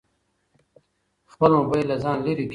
خپل موبایل له ځانه لیرې کېږده.